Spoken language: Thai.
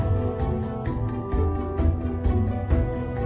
ดูดักอย่างไร